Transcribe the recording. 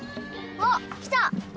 あっ来た！